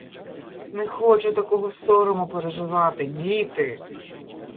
Не хочу такого сорому переживати, діти!